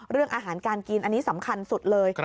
เรื่องอาหารการกินอันนี้สำคัญสุดเลย